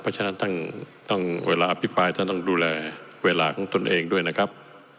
เพราะฉะนั้นต้องเวลาอภิปรายท่านต้องดูแลเวลาของตนเองด้วยนะครับ